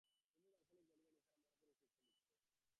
হিন্দু দার্শনিক বলিবেন ইঁহারা মহাপুরুষ এবং নিত্যমুক্ত।